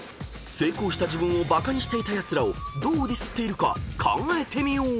［成功した自分をバカにしていたやつらをどうディスっているか考えてみよう］